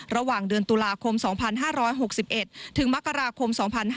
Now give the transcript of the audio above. ระหว่างเดือนตุลาคม๒๕๖๑ถึงมกราคม๒๕๕๙